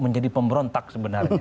menjadi pemberontak sebenarnya